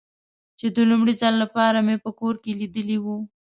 چې د لومړي ځل له پاره مې په کور کې لیدلی و.